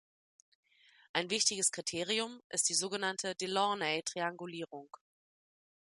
Ein wichtiges Kriterium ist die so genannte Delaunay-Triangulierung.